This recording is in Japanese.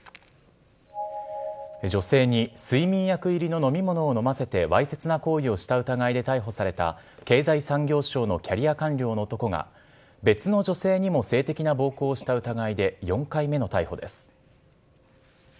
女性に睡眠薬入りの飲み物を飲ませてわいせつな行為をした疑いで逮捕された経済産業省のキャリア官僚の男が、別の女性にも性的な暴行をした疑いで４回目の逮捕です。